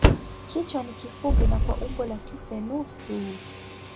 Kichwa ni kifupi na kwa umbo la tufe nusu.